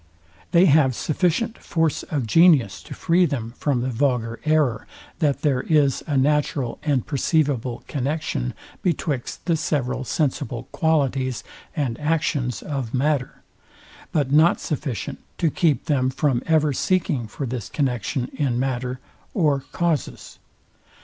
They have sufficient force of genius to free them from the vulgar error, that there is a natural and perceivable connexion betwixt the several sensible qualities and actions of matter; but not sufficient to keep them from ever seeking for this connexion in matter, or causes.